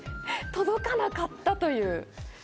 届かなかったという。